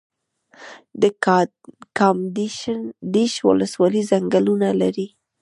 د کامدیش ولسوالۍ ځنګلونه لري